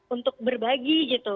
untuk berbagi gitu